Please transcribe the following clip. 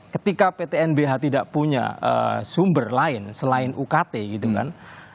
ketika pt nbh tidak punya sumber lain selain ukt gitu kan